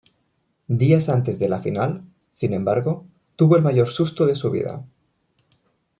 Días antes de la final, sin embargo, tuvo el mayor susto de su vida.